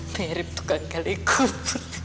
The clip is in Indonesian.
mirip tukang gali kubur